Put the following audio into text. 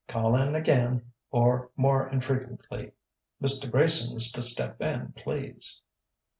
Call 'n ag'in!" or more infrequently: "Mista Grayson's t' step in, please...."